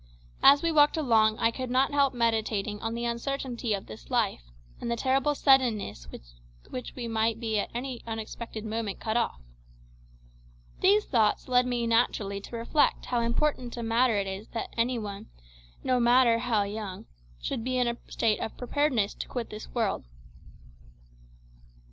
As we walked along I could not help meditating on the uncertainty of this life, and the terrible suddenness with which we might at any unexpected moment be cut off. These thoughts led me naturally to reflect how important a matter it is that every one, no matter how young, should be in a state of preparedness to quit this world.